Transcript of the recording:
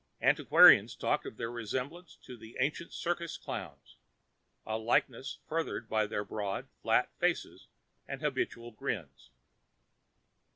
Antiquarians talked of their resemblance to the ancient circus clowns, a likeness furthered by their broad, flat faces and habitual grins.